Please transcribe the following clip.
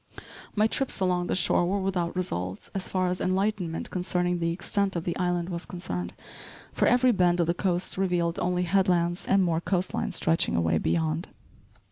My trips along the shore were without results, so far as enlightenment concerning the extent of the island was concerned, for every bend of the coast revealed only headlands and more coast line stretching away beyond.